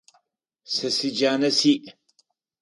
Сэ зы джанэ сиӏ.